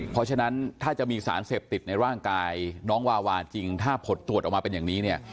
เพราะฉะนั้นถ้าจะมีสารเสพติดในร่างกายน้องวาวาจริงถ้าผลตรวจออกมาเป็นอย่างนี้เนี่ย